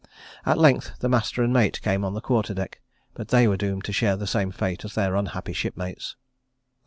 At length the master and mate came on the quarter deck; but they were doomed to share the same fate as their unhappy shipmates.